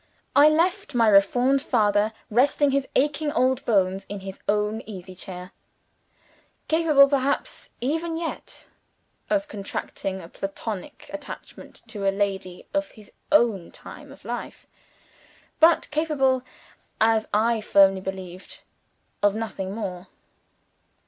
I left my reformed father, resting his aching old bones in his own easy chair; capable perhaps, even yet, of contracting a Platonic attachment to a lady of his own time of life but capable (as I firmly believed) of nothing more.